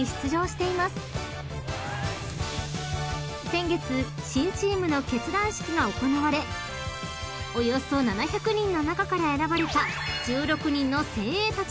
［先月新チームの結団式が行われおよそ７００人の中から選ばれた１６人の精鋭たちが集結］